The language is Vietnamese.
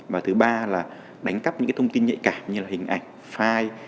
và thứ ba là đánh cắp những thông tin nhạy cảm như hình ảnh file